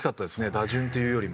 打順というよりも。